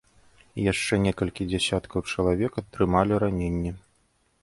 Яшчэ некалькі дзесяткаў чалавек атрымалі раненні.